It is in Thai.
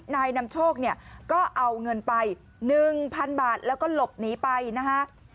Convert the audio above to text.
นายนำโชคเนี่ยก็เอาเงินไป๑๐๐๐บาทแล้วก็หลบหนีไปนะฮะ